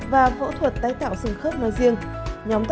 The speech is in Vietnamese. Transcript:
và phẫu thuật tái tạo sừng khớp nói riêng